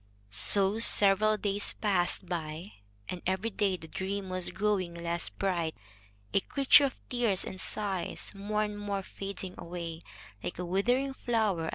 So several days passed by, and every day the dream was growing less bright, a creature of tears and sighs, more and more fading away, like a withering flower.